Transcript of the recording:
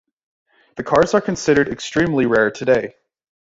The cars are considered extremely rare today.